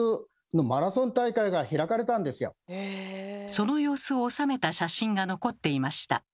その様子を収めた写真が残っていました。